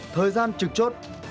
thời gian trực chốt